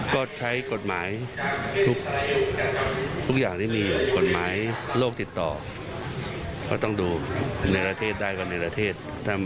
กฎหมายทุกอย่างที่มีอยู่กฎหมายโรคติดต่อก็ต้องดูในราเทศได้กว่าในราเทศ